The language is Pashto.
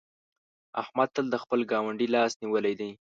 احمد تل د خپل ګاونډي لاس نيولی دی.